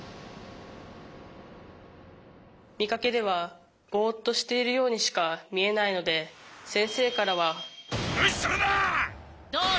見かけではボッとしているようにしか見えないので先生からは無視するな！